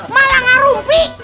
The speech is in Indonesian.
malah gak rumpi